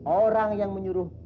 orang yang menyuruh